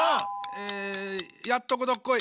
えやっとこどっこい。